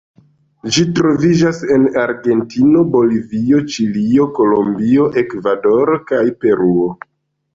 Ĝi troviĝas en Argentino, Bolivio, Ĉilio, Kolombio, Ekvadoro, kaj Peruo.